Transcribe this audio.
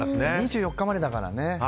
２４日までだからね。